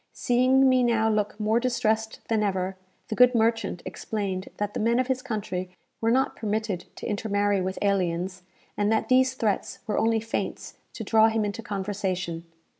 Seeing me now look more distressed than ever, the good merchant explained that the men of his country were not permitted to intermarry with aliens, and that these threats were only feints to draw him into conversation.